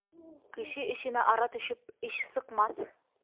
Кеше эшенә ара төшөп, эш сыҡмаҫ.